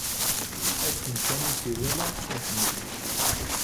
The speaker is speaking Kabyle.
Akken kan ay tt-iwala, iḥemmel-itt.